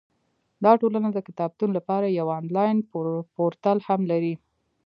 دا ټولنه د کتابتون لپاره یو انلاین پورتل هم لري.